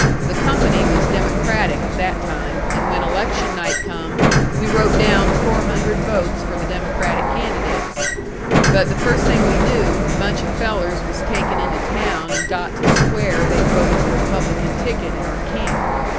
The company was Democratic at that time, and when election night come, we wrote down four hundred votes for the Democratic candidates. But the first thing we knew, a bunch of fellers was taken into town and got to swear they'd voted the Republican ticket in our camp.